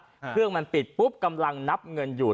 เครื่องมันปิดปุ๊บกำลังนับเงินอยู่